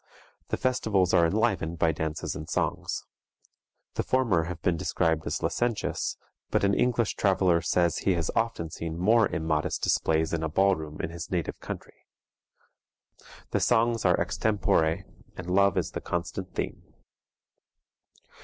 The festivals are enlivened by dances and songs. The former have been described as licentious, but an English traveler says he has often seen more immodest displays in a ball room in his native country. The songs are extempore, and love is the constant theme.